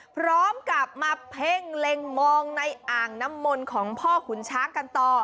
พร้อมกับมาเพ่งเล็งมองในอ่างน้ำมนต์ของพ่อขุนช้างกันต่อ